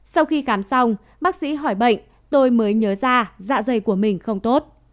sau khi khám xong bác sĩ hỏi bệnh tôi mới nhớ ra dạ dày của mình không tốt